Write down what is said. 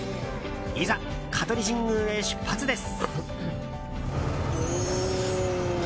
いざ、香取神宮へ出発です。